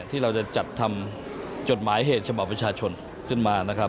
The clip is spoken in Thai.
ที่เราจะจัดทำจดหมายเหตุฉบับประชาชนขึ้นมานะครับ